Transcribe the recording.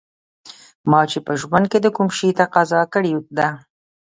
ما چې په ژوند کې د کوم شي تقاضا کړې ده